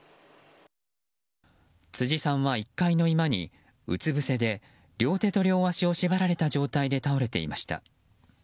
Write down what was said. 辻さんは、１階の居間にうつぶせで両手と両足を縛られた状態で倒れていました。